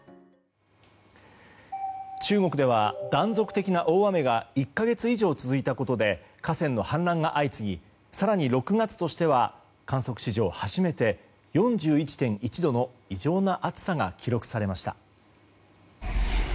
中国では断続的な大雨が１か月以上、続いたことで河川の氾濫が相次ぎ更に、６月としては観測史上初めて４１．１度の異常な暑さが記録されました。